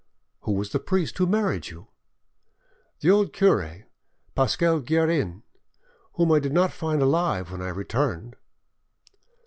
"Who was the priest who married you?" "The old cure, Pascal Guerin, whom I did not find alive when I returned."